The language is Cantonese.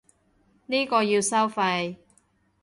呢個要收費